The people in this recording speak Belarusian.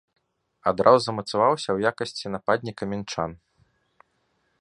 Адразу замацаваўся ў якасці нападніка мінчан.